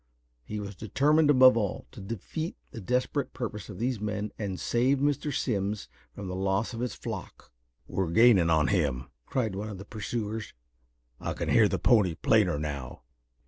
He was determined above all, to defeat the desperate purpose of these men and save Mr. Simms from the loss of his flock. "We're gaining on him!" cried one of the pursuers. "I can hear the pony plainer now."